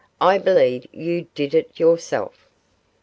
I believe you did it yourself.